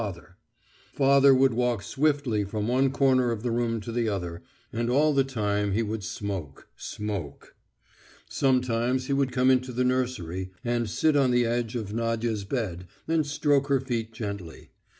Father would walk swiftly from one corner of the room to the other, and all the time he would smoke, smoke. Sometimes he would come into the nursery and sit on the edge of Nadya's bed and stroke her feet gently.